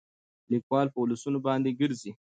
ليکوال په ولسونو باندې ګرځي